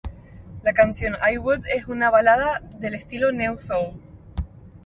La canción "I Would" es una balada del estilo neo soul.